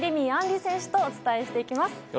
杏利選手とお伝えしていきます。